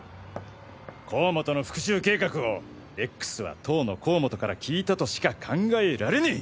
甲本の復讐計画をＸは当の甲本から聞いたとしか考えられねぇ。